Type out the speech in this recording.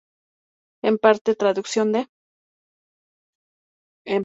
En parte, traducción de